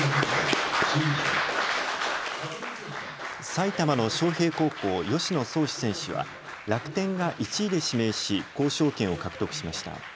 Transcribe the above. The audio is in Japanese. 埼玉の昌平高校、吉野創士選手は楽天が１位で指名し、交渉権を獲得しました。